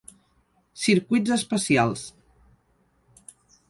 Circuits especials.